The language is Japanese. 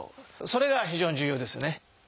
それが非常に重要ですね。